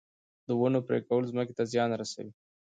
د ونو پرې کول ځمکې ته زیان رسوي